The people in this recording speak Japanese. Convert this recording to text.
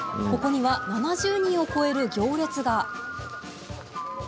ここには、７０人を超える行列が。